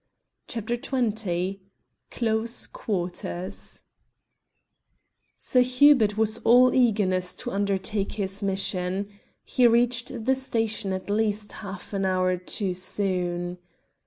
CHAPTER XX CLOSE QUARTERS Sir Hubert was all eagerness to undertake his mission. He reached the station at least half an hour too soon.